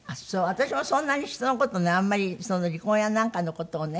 私もそんなに人の事ねあんまり離婚やなんかの事をね